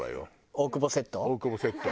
大久保セット？